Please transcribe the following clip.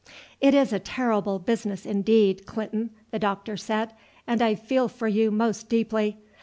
"It is a terrible business indeed, Clinton," the doctor said, "and I feel for you most deeply.